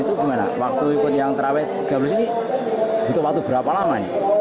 itu gimana waktu ikut yang terawih tiga puluh juz ini butuh waktu berapa lama